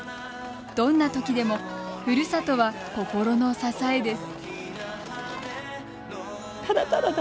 どんなときでもふるさとは心の支えです。